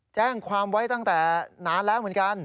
แจ้งความไว้ตั้งแต่นานแล้วเหมือนกัน